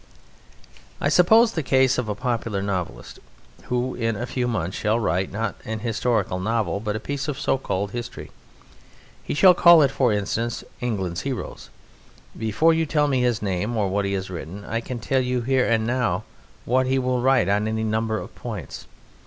I will suppose the case of a popular novelist, who in a few months shall write, not an historical novel, but a piece of so called history. He shall call it, for instance, "England's Heroes." Before you tell me his name, or what he has written, I can tell you here and now what he will write on any number of points.